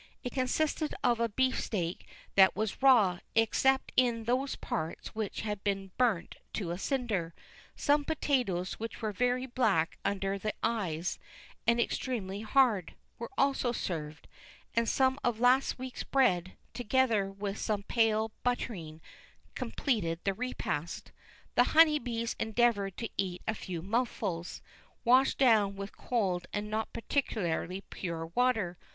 It consisted of a beef steak that was raw, except in those parts which had been burnt to a cinder; some potatoes which were very black under the eyes, and extremely hard, were also served; and some of last week's bread, together with some pale butterine, completed the repast. The Honeybees endeavoured to eat a few mouthfuls, washed down with cold and not particularly pure water.